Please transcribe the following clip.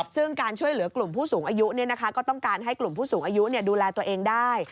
ซึ่งการช่วยเหลือกลุ่มผู้สูงอายุก็ต้องการให้กลุ่มผู้สูงอายุดูแลตัวเองได้